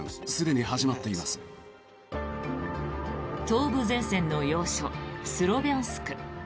東部前線の要所スロビャンスク。